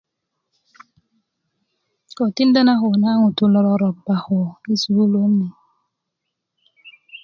ko tinda na ko na ŋutú lo roroba ko i sukulu ni